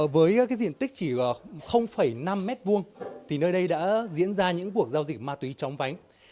với diện tích chỉ năm m hai thì nơi đây đã diễn ra những cuộc giao dịch ma túy chóng vánh